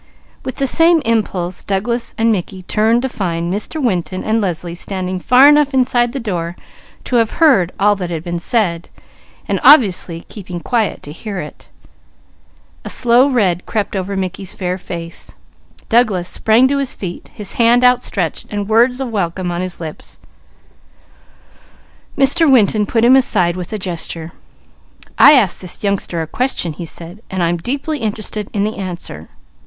With the same impulse Douglas and Mickey turned to Mr. Winton and Leslie standing far enough inside the door to have heard all that had been said. A slow red crept over Mickey's fair face. Douglas sprang to his feet, his hand outstretched, words of welcome on his lips. Mr. Winton put him aside with a gesture. "I asked this youngster a question," he said, "and I'm deeply interested in the answer.